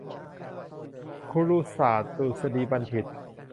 คุรุศาสตรดุษฎีบัณฑิต